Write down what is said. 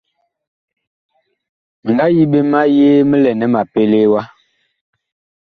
Mi nga yi ɓe ma yee mi lɛ nɛ ma pelee wa.